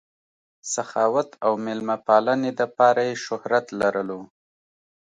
سخاوت او مېلمه پالنې دپاره ئې شهرت لرلو